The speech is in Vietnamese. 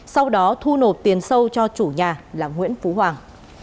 sau đó thu nộp tiền sâu cho chủ nhà là nguyễn phú hoàng